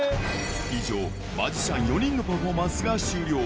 以上、マジシャン４人のパフォーマンスが終了。